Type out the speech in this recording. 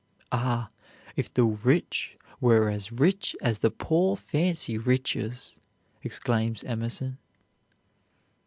"Ah, if the rich were as rich as the poor fancy riches!" exclaims Emerson.